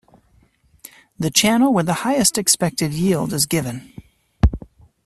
The channel with the highest expected yield is given.